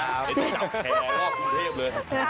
ไม่ต้องจับแท้รอบคุณเทพเลย